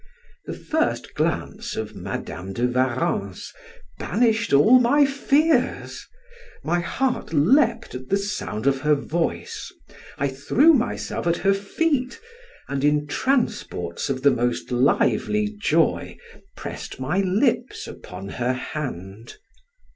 The first glance of Madam de Warrens banished all my fears my heart leaped at the sound of her voice; I threw myself at her feet, and in transports of the most lively joy, pressed my lips upon her hand.